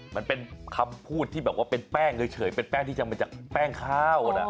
มันเป็นคำพูดที่แบบว่าเป็นแป้งเฉยเป็นแป้งที่จำมาจากแป้งข้าวนะ